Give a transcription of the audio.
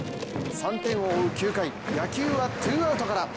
３点を追う９回、野球はツーアウトから。